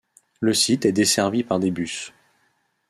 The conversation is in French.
Le site est desservi par des bus.